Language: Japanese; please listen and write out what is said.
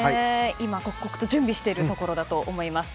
今、刻々と準備しているところだと思います。